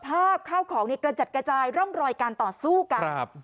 สภาพข้าวของเนี่ยกระจัดกระจายร่ำรอยการต่อสู้กัน